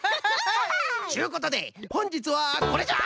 ちゅうことでほんじつはこれじゃ！